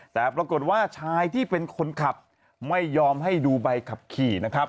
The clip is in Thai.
แต่ปรากฏว่าชายที่เป็นคนขับไม่ยอมให้ดูใบขับขี่นะครับ